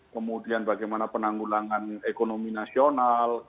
kemudian bagaimana penanggulangan ekonomi nasional